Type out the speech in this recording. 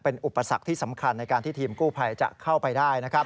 เป็นอุปสรรคที่สำคัญในการที่ทีมกู้ภัยจะเข้าไปได้นะครับ